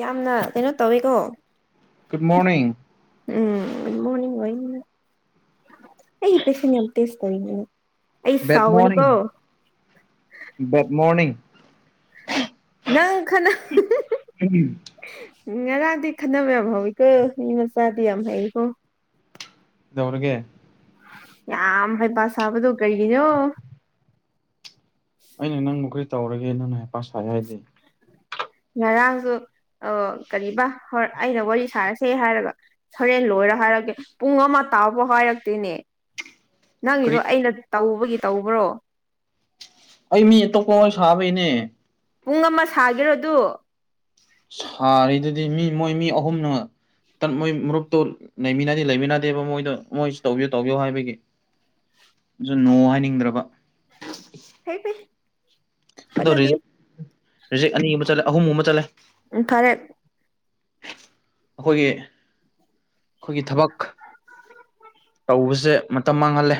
ꯌꯥꯝꯅ ꯀꯩꯅꯣ ꯇꯧꯋꯤꯀꯣ good morning um good morning ꯑꯣꯏꯅꯤ ꯅꯪ ꯑꯩꯒꯤ ꯄꯦꯁꯦꯟ ꯌꯥꯝ ꯇꯦꯁ ꯇꯧꯔꯤꯅꯤ ꯅꯪ ꯚꯦꯗ ꯃꯣꯔꯅꯤꯡ ꯚꯦꯗ ꯃꯣꯔꯅꯤꯡ ꯅꯪ ꯈꯠꯅꯥ ꯉꯔꯥꯡꯗꯤ ꯈꯠꯅꯕ ꯌꯥꯝ ꯍꯧꯋꯤꯀꯣ ꯃꯤ ꯃꯆꯥꯗꯤ ꯌꯥꯝ ꯍꯩꯀꯣ ꯀꯩꯗꯧꯔꯒꯦ ꯌꯥꯝ ꯍꯩꯄꯥ ꯁꯥꯕꯗꯣ ꯀꯩꯒꯤꯅꯣ ꯑꯩꯅ ꯅꯪꯕꯨ ꯀꯔꯤ ꯇꯧꯔꯒꯦ ꯅꯪꯅ ꯍꯩ ꯄ ꯁꯥꯏ ꯍꯥꯏꯗꯤ ꯉꯔꯥꯡꯁꯨ ꯑꯣ ꯀꯔꯤꯕ ꯍꯣꯏ ꯑꯩꯅ ꯋꯥꯔꯤ ꯁꯥꯔꯁꯦ ꯍꯥꯏꯔꯒ ꯍꯣꯔꯦꯟ ꯂꯣꯏꯔ ꯍꯥꯏꯔꯛꯀꯦ ꯄꯨꯡ ꯑꯃ ꯇꯥꯐꯥꯎ ꯍꯥꯏꯔꯛꯇꯦꯅꯦ ꯅꯪꯒꯤꯗꯣ ꯀꯔꯤ ꯑꯩꯅ ꯇꯧꯕꯒꯤ ꯇꯧꯕ꯭ꯔꯣ ꯑꯩ ꯃꯤ ꯑꯇꯣꯞꯄ ꯋꯥꯔꯤ ꯁꯥꯟꯅꯕꯩꯅꯦ ꯄꯨꯡ ꯑꯃ ꯁꯥꯒꯦꯔꯣ ꯑꯗꯨ ꯁꯥꯔꯤꯗꯨꯗꯤ ꯃꯤ ꯃꯣꯏ ꯃꯤ ꯑꯍꯨꯝꯅ ꯇꯛ ꯃꯣꯏ ꯃꯔꯨꯞꯇꯨ ꯂꯩꯃꯤꯟꯅꯗꯤ ꯂꯩꯃꯤꯟꯅꯗꯦꯕ ꯃꯣꯏꯗꯣ ꯃꯣꯏꯁꯨ ꯇꯧꯕꯤꯌꯨ ꯇꯧꯕꯤꯌꯨ ꯍꯥꯏꯕꯒꯤ ꯑꯩꯁꯨ ꯅꯣ ꯍꯥꯏꯅꯤꯡꯗ꯭ꯔꯕ ꯐꯩ ꯐꯩ ꯑꯗꯣ ꯍꯣꯠꯅꯕꯤꯌꯨ ꯔꯤꯖꯦꯛ ꯔꯤꯖꯦꯛ ꯑꯅꯤ ꯑꯃ ꯆꯠꯂꯦ ꯑꯍꯨꯝ ꯑꯃ ꯆꯠꯂꯦ ꯎꯝ ꯐꯔꯦ ꯑꯩꯈꯣꯏꯒꯤ ꯑꯩꯈꯣꯏꯒꯤ ꯊꯕꯛ ꯇꯧꯕꯁꯦ ꯃꯇꯝ ꯃꯥꯡꯍꯜꯂꯦ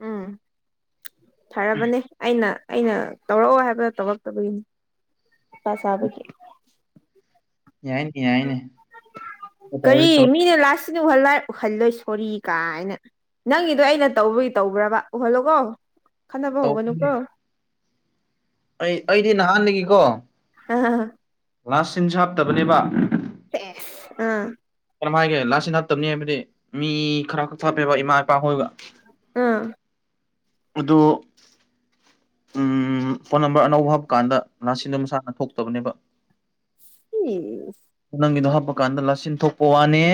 ꯎꯝ ꯐꯔꯕꯅꯦ ꯑꯩꯅ ꯑꯩꯅ ꯇꯧꯔꯛꯑꯣ ꯍꯥꯏꯕꯗ ꯇꯧꯔꯛꯇꯕꯒꯤꯅꯤ ꯍꯩꯄꯥ ꯁꯥꯕꯒꯤ ꯌꯥꯏꯅꯦ ꯌꯥꯏꯅꯦ ꯀꯔꯤ ꯃꯤꯅ [unintelligible] ꯎꯍꯜꯂ ꯎꯍꯜꯂꯣꯏ ꯁꯣꯔꯤ ꯀꯥꯏꯅ ꯅꯪꯒꯤꯗꯣ ꯑꯩꯅ ꯇꯧꯕꯒꯤ ꯇꯧꯕ꯭ꯔꯕ ꯎꯍꯜꯂꯣꯀꯣ ꯈꯟꯅꯕ ꯍꯧꯒꯅꯨꯀꯣ ꯑꯩ ꯑꯩꯗꯤ ꯅꯍꯥꯟꯗꯒꯤꯀꯣ [unintelligible] ꯂꯥꯁ ꯁꯤꯟ ꯍꯥꯞꯇꯕꯅꯦꯕ ꯕꯦꯁꯇ ꯑꯥ ꯀꯔꯝ ꯍꯥꯏꯒꯦ ꯂꯥꯁꯇ ꯍꯥꯞꯇꯕꯅꯤ ꯍꯥꯏꯕꯗꯤ ꯃꯤ ꯈꯔ ꯈꯛ ꯊꯝꯃꯦꯕ ꯏꯃꯥ ꯏꯄꯥ ꯍꯣꯏꯒ ꯑꯥ ꯑꯗꯣ ꯎꯝ ꯐꯣꯟ ꯅꯝꯕꯔ ꯑꯅꯧꯕ ꯍꯥꯞꯄꯀꯥꯟꯗ [unintelligible] ꯃꯁꯥꯅ ꯊꯣꯛꯇꯕꯅꯦꯕ [unintelligible] ꯅꯪꯒꯤꯗꯣ ꯍꯥꯞꯄ ꯀꯥꯟꯗ ꯂꯥꯁꯤꯟ ꯊꯣꯛꯄ ꯋꯥꯅꯦ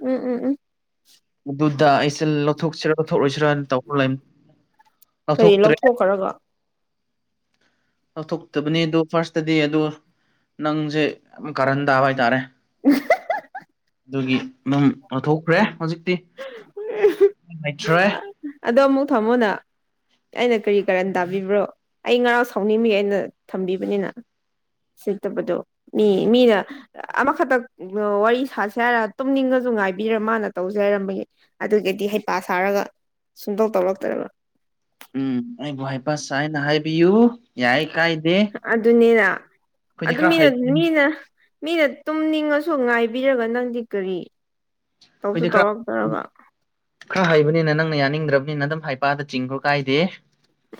ꯎꯝ ꯎꯝ ꯎꯝ ꯑꯗꯨꯗ ꯑꯩꯁꯦ ꯂꯧꯊꯣꯛꯁꯤꯔꯥ ꯂꯧꯊꯣꯛꯂꯣꯏꯁꯤꯔꯥꯅ ꯇꯧꯈ꯭ꯔ ꯂꯩ ꯀꯔꯤ ꯂꯧꯊꯣꯛꯇ꯭ꯔꯦ ꯂꯧꯊꯣꯛꯈ꯭ꯔꯒ ꯂꯧꯊꯣꯛꯇꯕꯅꯤ ꯑꯗꯨ ꯐꯥꯔꯁꯇꯗꯤ ꯑꯗꯨ ꯅꯪꯁꯦ ꯀꯥꯔꯟ ꯇꯥꯕ ꯍꯥꯏꯇꯥꯔꯦ [unintelligible] ꯑꯗꯨꯒꯤ ꯑꯗꯨꯝ ꯂꯧꯊꯣꯛꯈ꯭ꯔꯦ ꯍꯧꯖꯤꯛꯇꯤ [unintelligible] [unintelligible] ꯑꯗꯣ ꯑꯃꯨꯛ ꯊꯥꯃꯣꯅ ꯑꯩꯅ ꯀꯔꯤ ꯀꯔꯟ ꯇꯥꯕꯤꯕ꯭ꯔꯣ ꯑꯩ ꯉꯔꯥꯡ ꯁꯥꯎꯅꯤꯡꯕꯒꯤ ꯑꯩꯅ ꯊꯝꯕꯤꯕꯅꯤꯅ ꯁꯤꯠꯇꯕꯗꯣ ꯃꯤ ꯃꯤꯅ ꯑꯃꯈꯛꯇꯛ ꯋꯥꯔꯤ ꯁꯥꯁꯦ ꯍꯥꯏꯔ ꯇꯨꯝꯅꯤꯡꯉꯁꯨ ꯉꯥꯏꯕꯤꯔ ꯃꯥꯅ ꯇꯧꯁꯦ ꯍꯥꯏꯔꯝꯕꯒꯤ ꯑꯗꯨꯒꯤꯗꯤ ꯍꯩꯄꯥ ꯁꯥꯔꯒ ꯁꯨꯡꯇꯧ ꯇꯧꯔꯛꯇꯕ ꯎꯝ ꯑꯩꯕꯨ ꯍꯥꯏꯄꯥ ꯁ ꯍꯥꯏꯅ ꯍꯥꯏꯕꯤꯌꯨ ꯌꯥꯏ ꯀꯥꯏꯗꯦ ꯑꯗꯨꯅꯤꯅ ꯑꯩꯈꯣꯏꯗꯤ ꯑꯗꯨ ꯈꯔ ꯃꯤꯅ ꯍꯩ ꯃꯤꯅ ꯃꯤꯅ ꯇꯨꯝꯅꯤꯡꯉꯁꯨ ꯉꯥꯏꯕꯤꯔꯒ ꯅꯪꯗꯤ ꯀꯔꯤ ꯇꯧꯁꯨ ꯑꯩꯈꯣꯏꯗꯤ ꯈꯔ ꯇꯧꯔꯛꯇ꯭ꯔꯒ ꯈꯔ ꯍꯩꯕꯅꯤꯅ ꯅꯪꯅ ꯌꯥꯅꯤꯡꯗ꯭ꯔꯕꯅꯤꯅ ꯑꯗꯨꯝ ꯍꯥꯏꯄꯥꯗ ꯆꯤꯡꯈ꯭ꯔꯣ ꯀꯥꯏꯗꯦ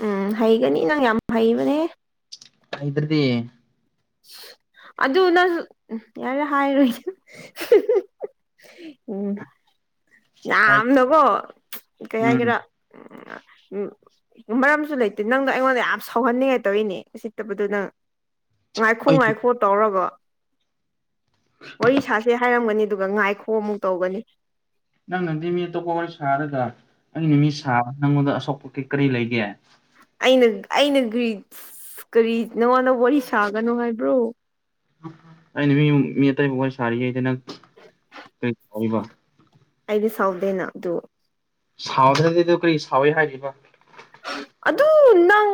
ꯎꯝ ꯍꯩꯒꯅꯤ ꯅꯪ ꯌꯥꯝ ꯍꯩꯕꯅꯦ [unintelligible] ꯑꯗꯨꯅ ꯅꯪ ꯌꯥꯔꯦ ꯍꯥꯏꯔꯣꯏ [unintelligible] ꯌꯥꯝꯅꯀꯣ ꯀꯩ ꯎꯝ ꯍꯥꯏꯒꯦꯔꯥ ꯎꯝ ꯃꯔꯝꯁꯨ ꯂꯩꯇꯦ ꯅꯪꯗꯣ ꯑꯩꯉꯣꯟꯗ ꯌꯥꯝ ꯁꯥꯎꯍꯟꯅꯤꯡꯉꯥꯏ ꯇꯧꯔꯤꯅꯦ ꯎꯁꯤꯠꯇꯕꯗꯨꯣ ꯅꯪ ꯉꯥꯏꯈꯣ ꯑꯩ ꯉꯥꯏꯈꯣ ꯇꯧꯔꯒ ꯋꯥꯔꯤ ꯁꯥꯥꯁꯦ ꯍꯥꯏꯔꯝꯒꯅꯤ ꯑꯗꯨꯒ ꯉꯥꯏꯈꯣ ꯑꯃꯨꯛ ꯇꯧꯒꯅꯤ ꯅꯪꯅꯗꯤ ꯃꯤ ꯑꯇꯣꯞꯄ ꯋꯥꯔꯤ ꯁꯥꯔꯒ ꯑꯩꯅ ꯃꯤ ꯁꯥꯕ ꯅꯪꯉꯣꯟꯗ ꯑꯁꯣꯛꯄ ꯀꯩ ꯀꯔꯤ ꯂꯩꯒꯦ ꯑꯩꯅ ꯑꯩꯅ ꯀꯔꯤ ꯀꯔꯤ ꯅꯉꯣꯟꯗ ꯋꯥꯔꯤ ꯁꯥꯒꯅꯣ ꯍꯥꯏꯕ꯭ꯔꯣ ꯑꯩꯅ ꯃꯤ ꯃꯤ ꯑꯇꯩ ꯋꯥꯔꯤ ꯁꯥꯔꯤꯉꯩꯗ ꯅꯪ ꯀꯔꯤ ꯐꯥꯎꯕꯔꯥ ꯑꯩꯗꯤ ꯁꯥꯎꯗꯦꯅ ꯑꯗꯨ ꯁꯥꯎꯗꯔꯗꯤ [unintelligible] ꯀꯔꯤ ꯁꯥꯎꯋꯏ ꯍꯥꯏꯕꯤꯕ ꯑꯗꯨ ꯅꯪ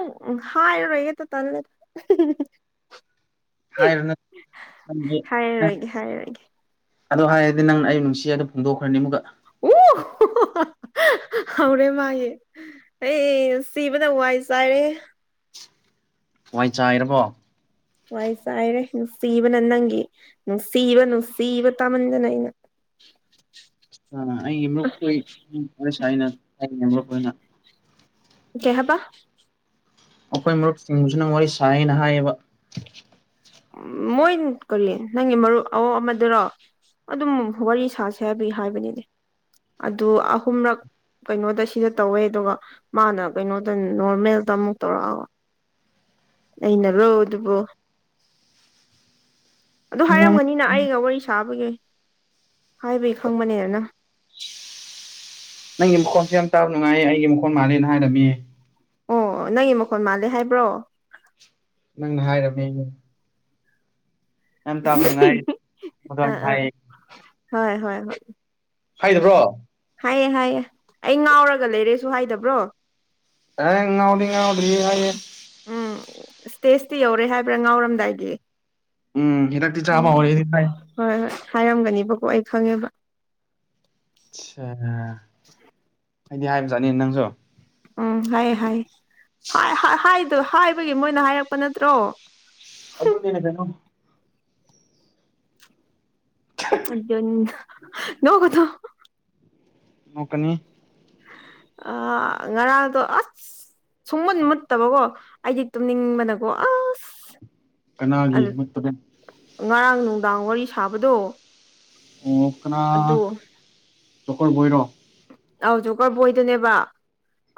ꯍꯥꯏꯔꯔꯣꯏꯒꯦꯇ ꯇꯜꯂꯦ ꯍꯥꯏꯌꯨ ꯍꯥꯏꯔꯔꯣꯏꯒꯦ [unintelligible] ꯍꯥꯏꯔꯔꯣꯏꯒꯦ ꯑꯗꯣ ꯍꯥꯏꯔꯗꯤ ꯅꯪꯅ ꯑꯩ ꯅꯨꯡꯁꯤ ꯍꯥꯏꯅ ꯐꯣꯡꯗꯣꯛꯈ꯭ꯔꯅꯤ ꯑꯃꯨꯛꯀꯥ ꯑꯣ [unintelligible] ꯍꯧꯔꯦ ꯃꯥꯒꯤ ꯑꯩ ꯅꯨꯡꯁꯤꯕꯅꯥ ꯋꯥꯏ ꯆꯥꯏꯔꯦ ꯋꯥꯏ ꯆꯥꯏꯔꯕꯣ ꯋꯥꯏ ꯆꯥꯏꯔꯦ ꯅꯨꯡꯁꯤꯕꯅ ꯅꯪꯒꯤ ꯅꯨꯡꯁꯤꯕ ꯅꯨꯡꯁꯤꯕ ꯇꯥꯃꯟꯗꯅ ꯑꯩꯅ ꯑꯩ ꯑꯩꯦꯝꯛꯣꯏꯁ [unintelligible] ꯑꯩꯅ ꯑꯩꯦꯝꯛꯅ [unintelligible] ꯀꯩ ꯍꯥꯏꯕꯥ ꯑꯩꯈꯣꯏ ꯃꯔꯨꯞꯁꯤꯡꯕꯨꯁꯨꯅ ꯅꯪ ꯋꯥꯔꯤ ꯁꯥꯏꯅ ꯍꯥꯏꯌꯦꯕ ꯎꯝ ꯃꯣꯏ ꯀꯔꯤ ꯅꯪꯒꯤ ꯃꯔꯨꯞ ꯑꯋ ꯑꯃꯗꯔꯣ ꯑꯗꯨꯝ ꯋꯥꯔꯤ ꯁꯥꯁꯦ ꯍꯥꯏꯕꯒꯤ ꯍꯥꯏꯕꯅꯤꯅꯦ ꯑꯗꯨ ꯑꯍꯨꯝꯔꯛ ꯀꯩꯅꯣꯗ ꯁꯤꯗ ꯇꯧꯋꯦ ꯑꯗꯨꯒ ꯃꯥꯅ ꯀꯩꯅꯣꯗ ꯅꯣꯔꯃꯦꯜꯗ ꯑꯃꯨꯛ ꯇꯧꯔꯛꯑꯕ ꯑꯩꯅꯔꯣ ꯑꯗꯨꯕꯨ ꯑꯗꯨ ꯍꯥꯏꯔꯝꯒꯅꯤꯅ ꯑꯩꯒ ꯋꯥꯔꯤ ꯁꯥꯕꯒꯤ ꯍꯥꯏꯕꯒꯤ ꯈꯪꯕꯅꯦ ꯅꯪ ꯅꯪꯒꯤ ꯃꯈꯣꯟꯁꯦ ꯌꯥꯝ ꯇꯥꯕ ꯅꯨꯡꯉꯥꯏꯌꯦ ꯑꯩꯒꯤ ꯃꯈꯣꯟꯜ ꯃꯥꯜꯂꯦꯅ ꯍꯥꯏꯔꯝꯃꯤ ꯑꯣ ꯅꯪꯒꯤ ꯃꯈꯣꯟ ꯃꯥꯜꯂꯦ ꯍꯥꯏꯕ꯭ꯔꯣ ꯅꯪꯅ ꯍꯥꯏꯔꯝꯃ‌ꯦꯌ‌ꯦ ꯌꯥꯝ ꯇꯥꯕ ꯅꯨꯡꯉꯥꯏ ꯑꯥ ꯑꯗꯨꯃꯥꯏ ꯑꯥ ꯍꯥꯏ ꯍꯣꯏ ꯍꯣꯏ ꯍꫭꯏ ꯍꯥꯏꯗꯕ꯭ꯔꯣ ꯍꯥꯏꯌꯦ ꯍꯥꯏꯌꯦꯦ ꯑꯩ ꯉꯥꯎꯔꯒ ꯂꯩꯔꯦꯁꯨ ꯍꯥꯏꯗꯕ꯭ꯔꯣ ꯑꯦ ꯉꯥꯎꯗꯤ ꯉꯥꯎꯗ꯭ꯔꯤ ꯍꯥꯏꯌ‌ꯦ ꯎꯝ ꯏꯁ꯭ꯇꯦꯖꯇꯤ ꯌꯧꯔꯦ ꯍꯥꯏꯕ꯭ꯔꯥ ꯉꯥꯎꯔꯝꯗꯥꯏꯒꯤ ꯎꯝ ꯍꯇꯥꯛꯇꯤ ꯇꯆꯕ ꯑꯣ ꯑꯃ [unintelligible] ꯍꯔꯥꯏ [unintelligible] ꯍꯣꯏ ꯍꯣꯏ ꯍꯥꯏꯔꯝꯒꯅꯦꯕꯀꯣ ꯑꯩ ꯈꯪꯉꯦꯕ ꯑꯆꯥ ꯍꯥꯏꯗꯤ ꯍꯥꯏꯕꯖꯥꯠꯅꯤ ꯅꯪꯁꯨ ꯎꯝ ꯍꯥꯏ ꯍꯥꯏ ꯍꯥꯏꯗ ꯍꯥꯏꯕꯒꯤ ꯃꯣꯏꯅ ꯍꯥꯏꯔꯛꯄ ꯅꯠꯇ꯭ꯔꯣ ꯑꯗꯨꯅ ꯍ‌ꯦꯟꯅꯥ ꯉꯝ ꯃꯗꯟ [unintelligible] ꯅꯣ ꯀꯊ [unintelligible] ꯅꫭꯛꯀꯅꯤ ꯑꯥ ꯉꯔꯥꯡꯗꫭ ꯑꯁ ꯁꯨꯡ ꯃꯨꯠ ꯃꯨꯠꯇꯕꯀꯣ ꯑꯩꯗꯤ ꯇꯨꯝꯅꯤꯡꯕꯅꯀꯣ ꯑꯥꯁ ꯀꯅꯥꯒꯤ ꯃꯨꯠꯄꯅꯦ ꯉꯔꯥꯡ ꯅꯨꯡꯗꯥꯡ ꯋꯥꯔꯤ ꯁꯥꯕꯗꯨ ꯑꯣ ꯀꯅꯥ ꯖꫭꯀꯔ ꯕꫭꯏꯔꫭ ꯑꯧ ꯖꫭꯀꯔ ꯕꯣꯏꯗꯅꯦꯕ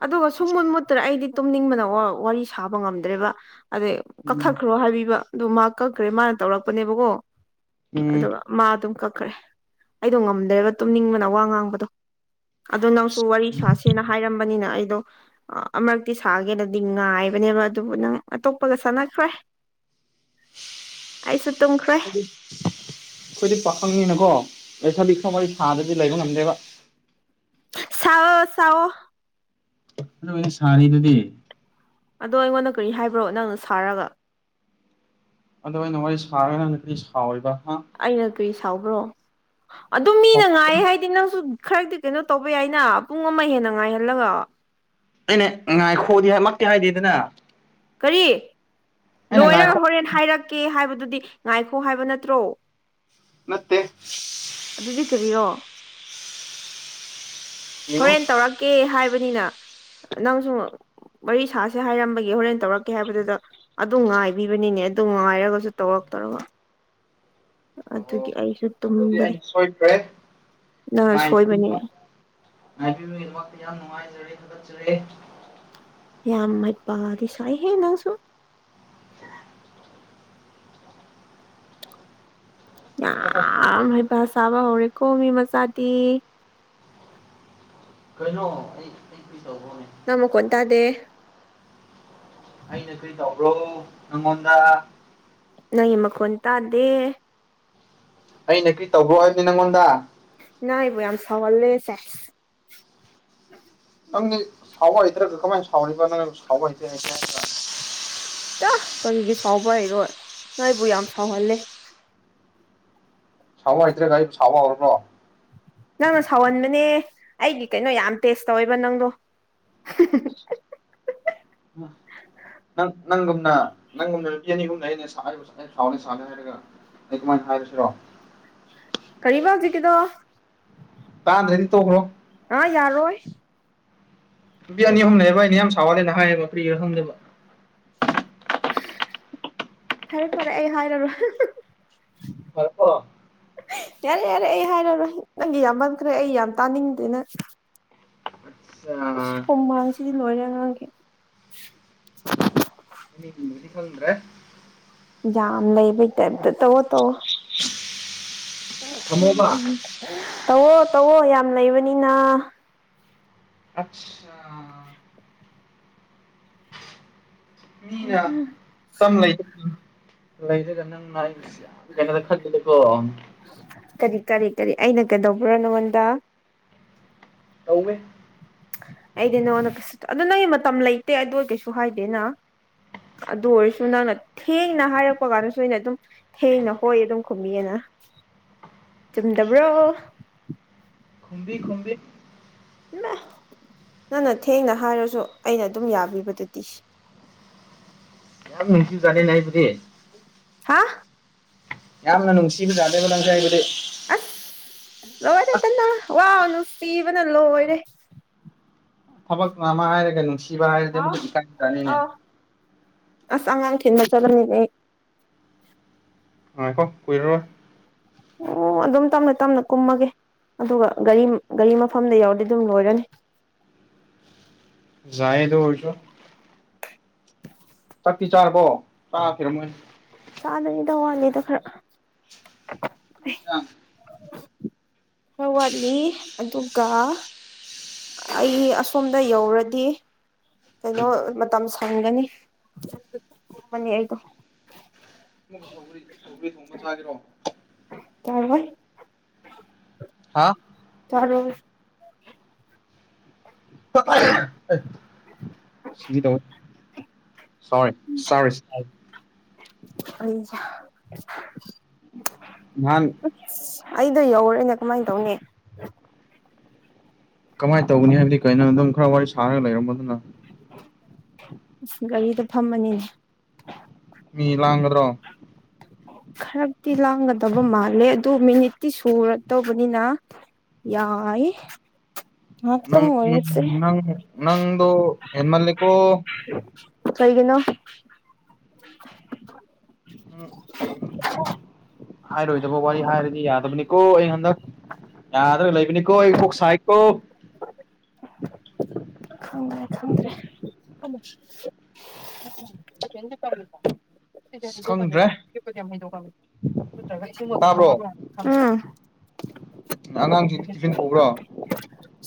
ꯑꯗꯨꯒ ꯁꯨꯡ ꯃꯨꯠ ꯃꯨꯠ ꯇ꯭ꯔ‌ꯦ ꯑꯩꯗꯤ ꯇꯨꯝꯅꯤꯡꯕꯅ ꯋꯥ ꯋꯥꯔꯤ ꯁꯥꯕ ꯉꯝꯗ꯭ꯔꯦꯕ ꯑꯗꯩ ꯎꯝ ꯀꯛꯊꯠꯈ꯭ꯔꯣ ꯍꯥꯏꯕꯤꯕ ꯑꯗꯨ ꯃꯥ ꯀꯛꯈ꯭ꯔꯦ ꯃꯥꯟꯅ ꯇꯧꯔꯛꯄꯅꯦꯕꯀꯣ ꯎꯝ ꯑꯗꯨꯒ ꯃꯥ ꯑꯗꯨꯝ ꯀꯛꯈ꯭ꯔꯦ ꯑꯩꯗꯣ ꯉꯝꯗ‌ꯦꯕꯥ ꯇꯨꯝꯅꯤꯡꯕꯅ ꯋꯥ ꯉꯥꯡꯕꯗꯣ ꯑꯗꯨ ꯅꯪꯁꯨ ꯋꯔꯤ ꯁꯥꯁ‌ꯦꯅꯥ ꯍꯥꯏꯔꯝꯕꯅꯤꯅꯥ ꯑꯩꯗꯨ ꯑꯥ ꯑꯃꯨꯔꯛꯇꯤ ꯁꯥꯒꯦꯅꯗꯤ ꯉꯥꯏꯕꯅꯦꯕ ꯑꯗꯨꯕꯨ ꯅꯪ ꯑꯇꯣꯞꯄꯒ ꯁꯥꯟꯅꯈ꯭ꯔꯦ [inaudible] ꯑꯩꯁꯨ ꯇꯨꯝꯈ꯭ꯔꯦ ꯑꯩꯈꯣꯏꯗꯤ ꯑꯩꯈꯣꯏꯗꯤ ꯄꯥꯈꯪꯅꯤꯅꯀꯣ ꯂꯩꯁꯥꯕꯤ ꯈꯔꯥ ꯂꯩꯕ ꯉꯝꯗꯦꯕ ꯁꯥꯎꯑꯣ ꯁꯥꯎꯑꯣ ꯄꯨꯂꯞ ꯑꯣꯏꯅ ꯁꯥꯔꯤꯗꯨꯗꯤ ꯑꯥꯗꯣ ꯑꯩꯉꯣꯟꯗ ꯀ꯭ꯔꯤ ꯍꯥꯏꯕ꯭ꯔꯣ ꯅꯪꯅ ꯁꯥꯔꯒ ꯑꯗꯣ ꯑꯩꯅ ꯋꯥꯔꯤ ꯁꯥꯔꯒ ꯅꯪꯅ ꯀꯔꯤ ꯁꯥꯎꯔꯤꯕ ꯍꯥ ꯑꯩꯅ ꯀ꯭ꯔꯤ ꯁꯥꯎꯕ꯭ꯔꯣ ꯑꯗꯨꯝ ꯃꯤꯅ ꯉꯥꯏꯌꯦ ꯍꯥꯏꯗꯤ ꯅꯪꯁꯨ__ ꯈ꯭ꯔꯥꯇꯤ ꯀꯩꯅꯣ ꯇꯧꯕ ꯌꯥꯏꯅ ꯄꯨꯡ ꯑꯃ ꯍꯦꯟꯅ ꯉꯥꯏꯍꯜꯂꯒ ꯑꯩꯅ ꯉꯥꯏꯈꯣꯗꯤ ꯍꯥꯏ ꯃꯛꯇꯤ ꯍꯥꯏꯗꯦꯗꯅ ꯀꯔꯤ ꯑꯩꯅ ꯂꯣꯏꯔꯒ ꯉꯥꯏꯈꯣ ꯍꯣꯔꯦꯟ ꯍꯥꯏꯔꯛꯀꯦ ꯍꯥꯏꯕꯗꯨꯗꯤ ꯉꯥꯏꯈꯣ ꯍꯥꯏꯕ ꯅꯠꯇ꯭ꯔꯣ ꯫ ꯅꯠꯇꯦ ꯑꯗꯨꯗꯤ ꯀꯔꯤꯔꯣ ꯌꯦꯡꯉꯨ ꯍꯧꯔꯦꯟ ꯇꯧꯔꯛꯀꯦ ꯍꯥꯏꯕꯅꯤꯅ ꯅꯪꯁꯨ ꯋꯥꯔꯤ ꯁꯥꯥꯁꯦ ꯍꯥꯏꯔꯝꯕꯒꯤ ꯍꯣꯔꯦꯟ ꯇꯧꯔꯛꯀꯦ ꯍꯥꯏꯕꯗꯨꯗ ꯑꯗꯨ ꯉꯥꯏꯕꯤꯕꯅꯤꯅꯦ ꯑꯗꯨꯝ ꯉꯥꯏꯔꯒꯁꯨ ꯇꯧꯔꯛꯇ꯭ꯔꯥꯒ [inaudible] ꯑꯣ ꯑꯗꯨꯗꯤ ꯇꯨꯝꯕꯅꯤ ꯑꯩꯅ ꯁꯣꯏꯈ꯭ꯔꯦ ꯅꯪꯅ ꯁꯣꯏꯕꯅꯦ ꯉꯥꯏꯕꯤꯕꯥ__ ꯉꯥꯏꯕꯤꯕꯒꯤꯗꯃꯛꯇ ꯌꯥꯝ ꯅꯨꯡꯉꯥꯏꯖꯔꯦ ꯊꯥꯒꯠꯆꯔꯦ ꯌꯥꯝ ꯍꯩꯄꯥꯗꯤꯁꯥꯏ ꯍꯦ ꯅꯪꯁꯨ [unintelligible] ꯌꯥꯝ ꯍꯩꯄꯥ ꯁꯥꯕ ꯍꯧꯔꯦꯀꯣ ꯃꯤ ꯃꯆꯥꯗꯤ ꯀꯩꯅꯣ ꯑꯩ ꯑꯩ ꯀ꯭ꯔꯤ ꯇꯩꯕ꯭ꯔꯣꯅꯦ ꯅꯪ ꯃꯈꯣꯟ ꯇꯥꯗꯦ ꯑꯩꯅ ꯀ꯭ꯔꯤ ꯇꯧꯕ꯭ꯔꯣ ꯅꯪꯉꯣꯟꯗ ꯅꯪꯒꯤ ꯃꯈꯣꯟ ꯇꯥꯗꯦ ꯑꯩꯅ ꯀ꯭ꯔꯤ ꯇꯧꯕ꯭‍‌ꯔꯣ ꯍꯥꯏꯕꯅꯤ ꯅꯪꯉꯣꯟꯗ ꯅꯥ ꯑꯩꯕꯨ ꯌꯥꯝ ꯁꯥꯎꯍꯜꯂꯦ ꯁꯦꯁ ꯅꯪꯅꯤ ꯁꯥꯎꯕ ꯍꯩꯇ꯭ꯔꯒ ꯀꯃꯥꯏ ꯁꯥꯎꯔꯤꯕ ꯅꯪ ꯁꯥꯎꯕ ꯍꯩꯇꯦ ꯍꯩꯇꯦ ꯍꯥꯏꯔꯒ ꯇꯥ ꯀꯔꯤꯒꯤ ꯁꯥꯎꯕ ꯍꯩꯔꯣꯏ ꯅꯪ ꯑꯩꯕꯨ ꯌꯥꯝ ꯁꯥꯎꯍꯜꯂꯦ ꯁꯥꯎꯕꯥ ꯍꯩꯇ꯭ꯔꯥꯒ ꯑꯩꯕꯨ ꯁꯥꯎꯕ ꯍꯧꯔꯕ꯭ꯔꯣ ꯅꯪꯅ ꯁꯥꯎꯍꯟꯕꯅꯦ ꯑꯩꯒꯤ ꯀꯩꯅꯣ ꯌꯥꯝ ꯇꯦꯁ ꯇꯧꯋꯦꯕ ꯅꯪꯗꯣ ꯍꯩꯃ ꯅꯪ ꯅꯪꯒꯨꯝꯅ ꯅꯪꯒꯨꯝꯅ ꯅꯨꯄꯤ ꯑꯅꯤ ꯑꯍꯨꯝ ꯂꯩꯌꯦꯅꯦ ꯁꯥꯎ ꯑꯩꯕꯨ ꯁꯥꯎ __ ꯁꯥꯎꯅꯤ ꯁꯥꯎꯅꯤ ꯍꯥꯏꯔꯒ ꯑꯩ ꯀꯃꯥꯏꯟ ꯊꯥꯖꯁꯤꯔꯣ ꯀꯩꯔꯤꯕ ꯍꯧꯖꯤꯛꯀꯤꯗꯣ ꯇꯥꯟꯗ꯭ꯔꯗꯤ ꯇꯣꯛꯈ꯭ꯔꯣ ꯥꯑꯥ ꯌꯥꯔꯣꯏ ꯅꯨꯄꯤ ꯑꯅꯤ ꯑꯍꯨꯝ ꯂꯩꯌꯦꯕ ꯑꯩꯅ ꯌꯥꯝ ꯁꯥꯎꯍꯜꯂꯦꯅ ꯍꯥꯏꯌꯦꯕ ꯀ꯭ꯔꯤꯒꯤꯔꯥ ꯈꯪꯗꯦꯕ ꯐꯔꯦ ꯐꯔꯦ ꯑꯩ ꯍꯥꯏꯔꯔꯣꯏ ꯐꯔꯥ ꯀꯣ ꯌꯥꯔꯦ ꯌꯥꯔꯦ ꯑꯩ ꯍꯥꯏꯔꯔꯣꯏ ꯅꯪꯒꯤ ꯌꯥꯝꯃꯟꯈ꯭ꯔꯦ ꯑꯩ ꯌꯥꯝ ꯇꯥꯅꯤꯡꯗꯦꯅ ꯑꯠꯁꯥ ꯎꯁ ꯍꯨꯝ ꯃꯥꯡꯁꯤꯗꯤ ꯂꯣꯏꯔꯦ ꯑꯉꯥꯡꯒꯤ ꯑꯩꯗꯤ ꯈꯪꯗ꯭ꯔꯦ ꯌꯥꯝ ꯂꯩꯕꯩ ꯇꯥꯏꯞꯇ ꯇꯧꯋꯣ ꯇꯧꯋꯣ ꯊꯝꯃꯣꯕ ꯇꯧꯋꯣ ꯇꯧꯋꯣ ꯌꯥꯝ ꯂꯩꯕꯅꯤꯅ ꯑꯁꯁꯥ ꯃꯤꯅ ꯇꯝ ꯂꯩꯇꯕꯒꯤ ꯂꯩꯔꯒ ꯅꯪꯅ ꯑꯩ__ ꯑꯁ ꯌꯥꯝ ꯀꯩꯅꯣꯗ ꯈꯛꯇꯗꯀꯣ ꯀꯔꯤ ꯀꯔꯤ ꯀꯔꯤ ꯑꯩꯅ ꯀꯩꯗꯧꯕ꯭ꯔꯥ ꯅꯉꯣꯟꯗ ꯇꯧꯋ‌ꯦ ꯑꯩꯗꯤ ꯅꯉꯣꯟꯗ ꯄꯩ ꯑꯗꯨ ꯅꯪꯒꯤ ꯃꯇꯝ ꯂꯩꯇꯦ ꯑꯗꯨ ꯑꯩ ꯀꯩꯁꯨ ꯍꯥꯏꯗꯦꯅ ꯫ ꯑꯗꯨ ꯑꯣꯏꯔꯁꯨ ꯅꯪꯅ ꯊꯦꯡꯅ ꯍꯥꯏꯔꯛꯄ ꯀꯥꯟꯗꯁꯨ ꯑꯩꯅ ꯑꯗꯨꯝ ꯊ‌ꯦꯡꯅ ꯍꯣꯏ ꯑꯗꯨꯝ ꯈꯨꯝꯕꯤꯌ‌ꯦꯅ ꯆꯨꯝꯗꯕ꯭ꯔꯣ? ꯈꯨꯝꯕꯤ ꯈꯨꯝꯕꯤ ꯃꯥ ꯅꯪꯅ ꯊꯦꯡꯅ ꯍꯥꯏꯔꯁꯨ ꯑꯩꯅ ꯑꯗꯨꯝ ꯌꯥꯕꯤꯕꯗꯨꯗꯤ ꯫ ꯌꯥꯝ ꯅꯨꯡꯁꯤ ꯖꯥꯠꯅꯤꯅ ꯑꯩꯕꯨꯗꯤ ꯫ ꯍꯥ ꯌꯥꯝꯅ ꯅꯨꯡꯁꯤꯕ ꯖꯥꯠꯅ‌ꯣꯕ ꯅꯪꯁ‌‌ꯦ ꯑꯩꯕꯨꯗꯤ ꯫ ꯑꯁ ꯂꯣꯏꯔꯦꯇꯅ ꯋꯥꯎ ꯅꯨꯡꯁꯤꯕꯅ ꯂꯣꯏꯔꯦ ꯫ ꯊꯕꯛꯅ ꯑꯃ ꯍꯥꯏꯔꯒ ꯅꯨꯡꯁꯤ ꯍꯥꯎ ꯑ‌ꯣ ꯑꯁ ꯑꯉꯥꯡ ꯊꯤꯟꯕ ꯆꯠꯂꯅꯤ ꯉꯩ ꯫ ꯉꯥꯏꯈꯣ ꯀꯨꯏꯔꯔ‌ꯣꯏ ꯫ ꯎ ꯑꯗꯨꯝ ꯇꯝꯅ ꯇꯝꯅ ꯀꯨꯝꯃꯒꯦ ꯫ ꯑꯗꯨꯒ ꯒꯥꯔꯤ ꯒꯥꯔꯤ ꯃꯐꯝꯗ ꯌꯥꯎꯔꯗꯤ ꯑꯗꯨꯝ ꯂꯣꯏꯔꯅꯤ ꯫ ꯖꯥꯏꯗ ꯑꯗꯨ ꯑꯣꯏꯔꯁꯨ ꯫ ꯆꯥꯛꯇꯤ ꯆꯥꯔꯕꯣ ꯆꯥꯈꯤꯔꯝꯃꯣꯏ ꯫ ꯆꯥꯗ꯭ꯔꯤꯗ ꯋꯥꯠꯂꯤꯗ ꯈꯔ ꯫ [unintelligible] ꯈꯔ ꯋꯥꯠꯂꯤ ꯑꯗꯨꯒ ꯑꯩ ꯑꯁꯣꯝꯗ ꯌꯧꯔꯗꯤ ꯀꯩꯅꯣ ꯃꯇꯝ ꯁꯪꯒꯅꯤ [unintelligible] ꯕꯅꯤ ꯑꯩꯗꯣ ꯫ ꯑꯃꯨꯛꯀ ꯁꯧꯒ꯭ꯔꯤ ꯁꯧꯒ꯭ꯔꯤ ꯊꯣꯡꯕ ꯆꯥꯒ‌ꯦꯔꯣ? ꯆꯥꯔ‌ꯣꯏ ꯍꯥ ꯇꯔ‌ꯣꯏ ꯑ‌ꯦ ꯁꯤꯒ‌ꯦ ꯇꯧꯋ‌ꯦ ꯫ ꯁ‌ꯣꯔꯤ ꯁꯣꯔꯤ [inaudible] ꯅꯍꯥꯟ ꯑꯁ ꯑꯩꯗꯣ ꯌꯧꯔꯦꯅꯦ ꯀꯃꯥꯏꯅ ꯇꯧꯅꯤ? ꯀꯃꯥꯏꯅ ꯇꯧꯒꯅꯤ ꯍꯥꯏꯕꯗꯤ ꯀꯩꯅꯣ ꯑꯗꯨꯝ ꯈꯔ ꯋꯥꯔꯤ ꯁꯥꯔꯒ ꯂꯩꯔꯝꯃ‌ꯣꯗꯅ ꯫ ꯑꯁ ꯒꯥꯔꯤꯗ ꯐꯝꯃꯅꯤꯅꯦ ꯫ ꯃꯤ ꯂꯥꯡꯒꯗ꯭ꯔꯣ? ꯈꯔꯛꯇꯤ ꯂꯥꯡꯒꯗꯕ ꯃꯥꯜꯂꯦ ꯑꯗꯨ ꯃꯤꯅꯤꯠꯇꯤ ꯁꯨꯔꯗꯧꯕꯅꯤꯅ ꯌꯥꯏ ꯅꯪ ꯉꯥꯏꯍꯥꯛꯇꯪ ꯅꯪ ꯑꯣꯏꯔꯁꯦ ꯅꯪ ꯅꯪꯗꯨ ꯍ‌ꯦꯟꯃꯟꯂ‌ꯦꯀꯣ ꯫ ꯀꯩꯒꯤꯅꯣ? ꯎꯝ [inaudible] ꯍꯥꯏꯔꯣꯏꯗꯕ ꯋꯥꯔꯤ ꯍꯥꯏꯔꯗꯤ ꯌꯥꯗꯕꯅꯤꯀꯣ ꯑꯩ ꯍꯟꯗꯛ ꯌꯥꯗ꯭ꯔꯒ ꯂꯩꯕꯅꯤꯀꯣ ꯑꯩ ꯀꯣꯛ ꯁꯥꯏꯀ‌ꯣ ꯫ ꯑꯣ ꯈꯪꯗ꯭ꯔꯦ ꯈꯪꯗ꯭ꯔꯦ [unintelligible] ꯑꯁ ꯈꯪꯗ꯭ꯔꯦ ꯇꯥꯕ꯭ꯔꯣ [unintelligible] [unintelligible] [unintelligible] ꯎꯝ ꯎꯝ ꯑꯉꯥꯡꯁꯤꯡꯗꯤ ꯇꯨꯏꯁꯟ ꯇꯧꯕ꯭ꯔꯣ?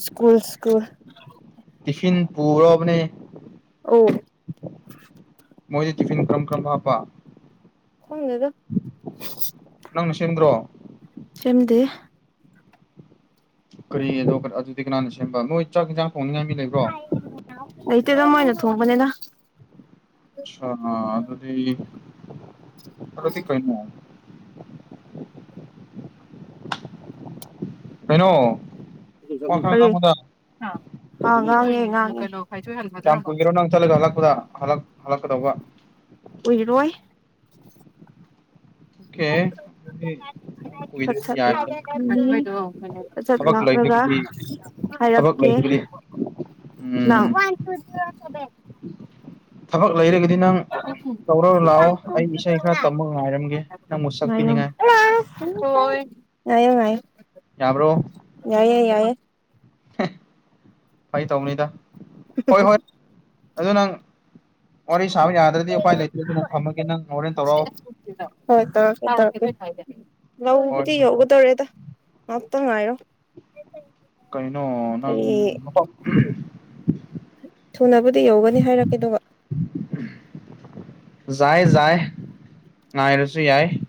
School school. ꯇꯤꯐꯤꯟ ꯄꯨꯕ꯭ꯔꯣꯕꯅꯦ꯫ ꯑꯣ꯫ ꯃꯣꯏꯗꯤ ꯇꯤꯐꯤꯟ ꯀ꯭ꯔꯝ-ꯀ꯭ꯔꯝꯕ ꯍꯥꯥꯞꯄ꯫ ꯈꯪꯗꯦꯗ ꯅꯪꯅ ꯁꯦꯝꯗ꯭ꯔꯣ ꯁꯦꯝꯗꯦ꯫ ꯀꯔꯤ ꯑꯗꯣ ꯑꯗꯨꯗꯤ ꯀꯅꯥꯅ ꯁꯦꯝꯕ ꯅꯣꯏ ꯆꯥꯛ ꯏꯟꯖꯥꯡ ꯊꯣꯡꯅꯤꯡꯉꯥꯏ ꯃꯤ ꯂꯩꯕ꯭ꯔꯣ꯫ ꯂꯩꯇꯦꯗ ꯃꯣꯏꯅ ꯊꯣꯡꯕꯅꯦꯗ꯫ ꯑꯠꯁꯥ ꯑꯗꯨꯗꯤ ꯑꯗꯨꯗꯤ ꯀꯩꯅꯣ꯫ ꯀꯩꯅꯣ꯫ [unintelligible] ꯋꯥꯈꯜ ꯀꯔꯤ ꯉꯥꯡꯕꯗ ꯍꯥ ꯉꯥꯡꯉꯦ-ꯉꯥꯡꯉꯦ꯫ ꯀꯌꯥꯝ ꯀꯨꯏꯒꯦꯔꯣ ꯅꯪ ꯆꯠꯂꯒ ꯍꯜꯂꯛꯄꯗ ꯍꯜꯂꯛ ꯍꯜꯂꯛꯀꯗꯧꯕ꯫ ꯀꯨꯏꯔꯔꯣꯏ꯫ ꯑꯣꯀꯦ ꯑꯗꯨꯗꯤ ꯌꯥꯝ [unintelligible] ꯀꯨꯏꯗ꯭ꯔꯗꯤ ꯁꯠ-ꯁꯠ ꯌꯥꯏ ꯊꯕꯛ ꯂꯥꯛꯂꯒ ꯂꯩꯔꯒꯗꯤ ꯊꯕꯛ ꯍꯥꯏꯔꯛꯀꯦ ꯂꯩꯔꯒꯗꯤ ꯅꯪ꯫ ꯎꯝ [unintelligible] ꯊꯕꯛ ꯂꯩꯔꯒꯗꯤ ꯅꯪ ꯇꯧꯔꯒ ꯂꯥꯛꯑꯣ ꯑꯩ ꯏꯁꯩ ꯈꯔ ꯇꯝꯕ ꯉꯥꯏꯔꯝꯒꯦ ꯅꯪꯕꯨ ꯁꯛꯄꯤꯅꯤꯡꯉꯥꯏ ꯍꯣꯏ ꯂꯣꯏꯔꯦ ꯉꯥꯏꯌꯨ ꯉꯥꯏꯌꯨ꯫ ꯌꯥꯕ꯭ꯔꯣ꯫ ꯌꯥꯏꯌꯦ ꯌꯥꯏꯌꯦ꯫ [unintelligible] ꯐꯥꯒꯤꯇꯧꯅꯤꯗ ꯍꯣꯏ ꯍꯣꯏ ꯑꯗꯨ ꯅꯪ ꯋꯥꯔꯤ ꯁꯥꯕ ꯌ ꯗ꯭ꯔꯥꯗꯤ ꯎꯄꯥꯏ ꯂꯩꯇ꯭ꯔꯦꯗꯅ ꯊꯝꯃꯒꯦ ꯅꯪ ꯍꯣꯔꯦꯟ ꯇꯧꯔꯛꯑꯣ꯫ ꯍꯣꯏ ꯇꯧꯔꯛꯀꯦ ꯇꯧꯔꯛꯀꯦ ꯍꯣꯏ ꯌꯧꯕꯨꯗꯤ ꯍꯣꯏ ꯌꯧꯒꯗꯧꯔꯦꯗ ꯉꯥꯛꯇꯪ ꯉꯥꯏꯔꯣ꯫ ꯀꯩꯔꯤꯅꯣ ꯅꯪ ꯀꯔꯤ [unintelligible] ꯊꯨꯅꯕꯨꯗꯤ ꯌꯧꯒꯅꯤ ꯍꯥꯏꯔꯛꯀꯦ ꯑꯗꯨꯒ꯫ ꯖꯥꯏ ꯖꯥꯏ ꯉꯥꯏꯔꯁꯨ ꯌꯥꯏ꯫